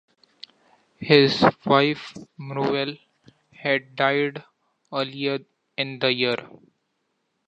His wife, Muriel, had died earlier in the year.